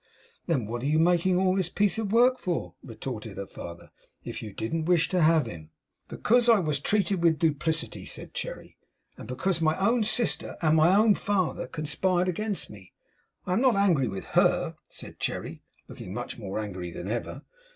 'Then what are you making all this piece of work for,' retorted her father, 'if you didn't wish to have him?' 'Because I was treated with duplicity,' said Cherry; 'and because my own sister and my own father conspired against me. I am not angry with HER,' said Cherry; looking much more angry than ever.